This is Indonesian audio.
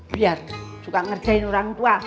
biar juga ngerjain orang tua